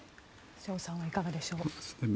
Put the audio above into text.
瀬尾さんはいかがでしょうか。